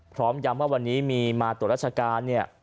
พร้อมย้ำว่าวันนี้มีมาตรวจราชการเนี่ย